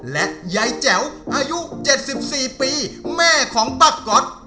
และยายแจ๋วอายุ๗๔ปีแม่ของป้าก๊อต